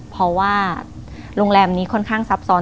เพราะว่าโรงแรมนี้ค่อนข้างซับซ้อน